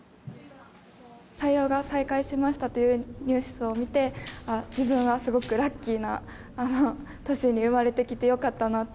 採用が再開しましたというニュースを見て、自分はすごくラッキーな年に生まれてきてよかったなと。